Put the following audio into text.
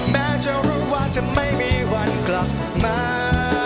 แม้จะรู้ว่าจะไม่มีวันกลับมา